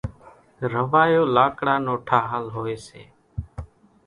راوايو لاڪڙا نو ٺاۿل هوئيَ سي۔